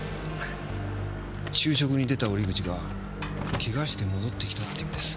昼食に出た折口が怪我して戻ってきたって言うんです。